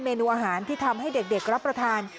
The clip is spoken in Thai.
เนื้ออาหารที่ทำให้เด็กรับประทาน